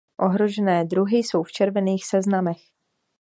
Ohrožené druhy jsou v červených seznamech.